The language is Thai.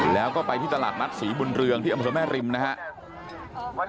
แล้วก็ไปที่ตลาดนัดศรีบุญเรืองที่อำเภอแม่ริมนะครับ